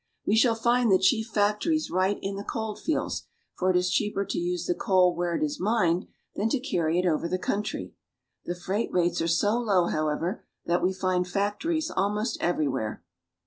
We shall find the chief factories right in the coal fields, for it is cheaper to use the coal where it is mined than to carry it over the country. The freight rates are so low, however, that we find factories almost everywhere.